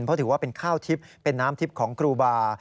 เพราะถือว่าเป็นข้าวทิพย์เป็นน้ำทิพย์ของครูบา